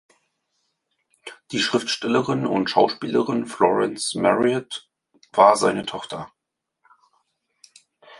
Die Schriftstellerin und Schauspielerin Florence Marryat war seine Tochter.